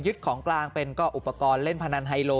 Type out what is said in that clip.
ของกลางเป็นก็อุปกรณ์เล่นพนันไฮโล